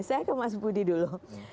saya ke mas budi dulu